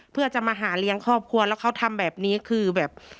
เพื่อจะมาหาเลี้ยงครอบครัวแล้วเขาทำแบบนี้คือแบบ